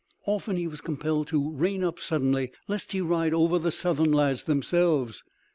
Often he was compelled to rein up suddenly lest he ride over the Southern lads themselves.